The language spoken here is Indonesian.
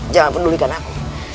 jangan pedulikan aku